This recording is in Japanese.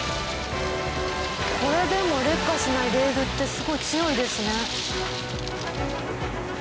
これでも劣化しないレールってすごい強いですね。